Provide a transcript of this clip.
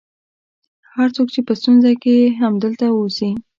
هر څوک چې په ستونزه کې یې همدلته اوسي.